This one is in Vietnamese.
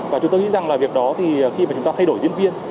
và chúng tôi nghĩ rằng việc đó khi chúng ta thay đổi diễn viên